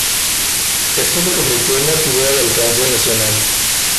Esto le convirtió en una figura de alcance nacional.